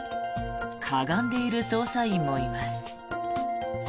かがんでいる捜査員もいます。